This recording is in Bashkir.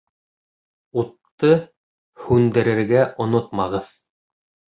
Утты һүндерергә онотмағыҙ